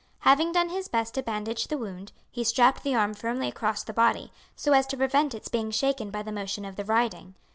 Having done his best to bandage the wound, he strapped the arm firmly across the body, so as to prevent its being shaken by the motion of the riding.